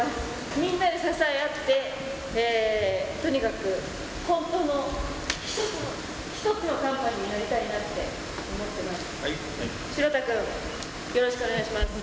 みんなで支え合って、とにかく本当の一つのカンパニーになりたいなって思ってます。